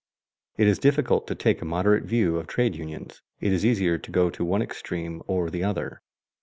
_ It is difficult to take a moderate view of trade unions; it is easier to go to one extreme or the other.